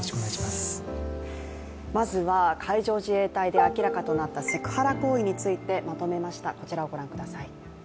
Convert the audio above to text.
まずは海上自衛隊で明らかとなったセクハラ行為についてまとめました。